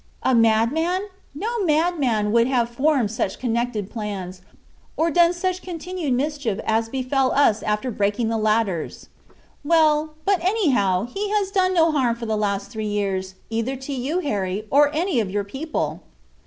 "A madman! No madman would have formed such connected plans, or done such continued mischief as befell us after the breaking of the ladders." "Well, but anyhow he has done no harm for the last three years, either to you, Harry, or any of your people."